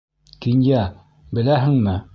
Кинйә, беләһеңме?..